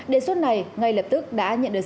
đề xuất này ngay lập tức đã nhận được